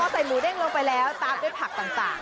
ใส่หมูเด้งลงไปแล้วตามด้วยผักต่าง